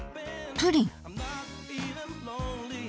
プリン！